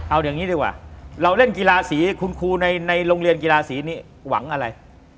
เอาอย่างนี้ดีกว่าเราเล่นกีฬาสีคุณครูในโรงเรียนกีฬาสีนี้หวังอะไร